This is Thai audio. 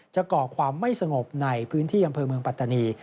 ก่อความไม่สงบในพื้นที่อำเภอเมืองปัตตานี